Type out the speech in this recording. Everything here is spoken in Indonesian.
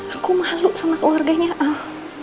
aku malu sama keluarganya al